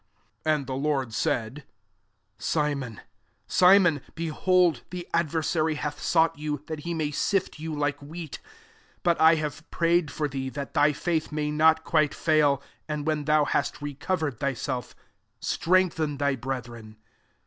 SI Amb the Lord said, <* Si kMHi) Simon, behoId> the ad versary hath sought you, • that temy sift tfou like wheat :t 3S Mttlkave prayed for thee, that kyfidth may not quite £aiil: and Acn thou hast recovered thy idt strengthen thy brethren.''